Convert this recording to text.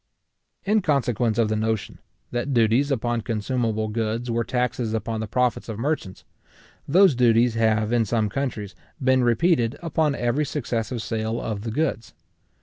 In consequence of the notion, that duties upon consumable goods were taxes upon the profits of merchants, those duties have, in some countries, been repeated upon every successive sale of the goods.